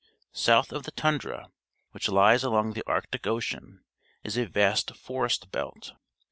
South of the tundra, which lies along the Arctic Ocean, is a vast forest belt.